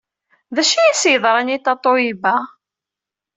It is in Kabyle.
D acu ay as-yeḍran i Tatoeba?